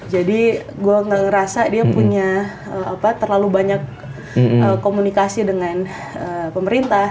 jadi gue gak ngerasa dia punya terlalu banyak komunikasi dengan pemerintah